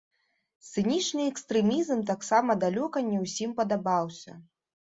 Сцэнічны экстрэмізм таксама далёка не ўсім падабаўся.